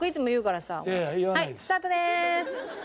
はいスタートです。